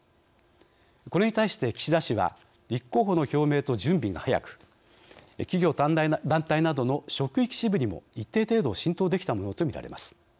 これに対して岸田氏は立候補の表明と準備が早く企業・団体などの職域支部にも一定程度浸透できたものとみられます。